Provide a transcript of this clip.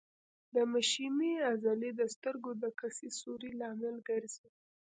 د مشیمیې عضلې د سترګو د کسي د سوري لامل ګرځي.